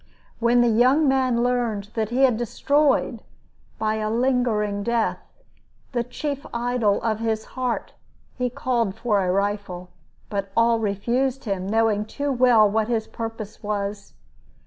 When the young man learned that he had destroyed, by a lingering death, the chief idol of his heart, he called for a rifle, but all refused him, knowing too well what his purpose was.